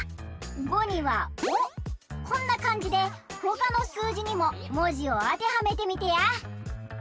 ５には「お」こんなかんじでほかのすうじにももじをあてはめてみてや。